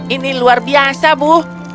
ini luar biasa bu